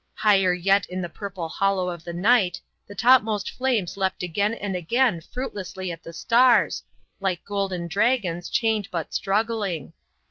Higher yet in the purple hollow of the night the topmost flames leapt again and again fruitlessly at the stars, like golden dragons chained but struggling.